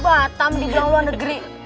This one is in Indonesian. batam di bilang luar negeri